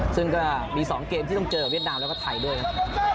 ซึ่งก็มี๒เกมที่ต้องเจอเวียดนามแล้วก็ไทยด้วยครับ